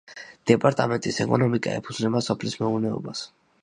დეპარტამენტის ეკონომიკა ეფუძნება სოფლის მეურნეობას.